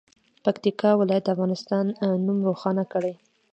پکتیکا ولایت د افغانستان نوم روښانه کړي.